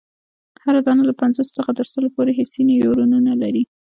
هره دانه له پنځوسو څخه تر سلو پوري حسي نیورونونه لري.